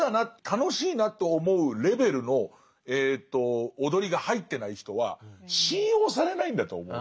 「楽しいな」と思うレベルの踊りが入ってない人は信用されないんだと思うんです。